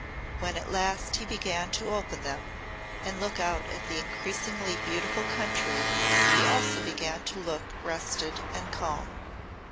When at last he began to open them and look out at the increasingly beautiful country he also began to look rested and calm.